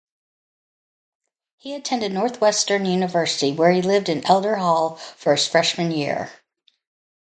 He attended Northwestern University, where he lived in Elder Hall for his freshman year.